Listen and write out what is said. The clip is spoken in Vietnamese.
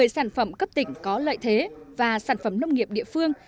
một mươi sản phẩm cấp tỉnh có lợi thế và sản phẩm nông nghiệp địa phương